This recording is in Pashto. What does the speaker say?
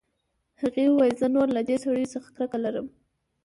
هغې وویل زه نور له دې سړیو څخه کرکه لرم